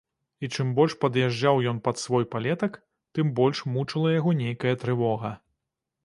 І чым больш пад'язджаў ён пад свой палетак, тым больш мучыла яго нейкая трывога.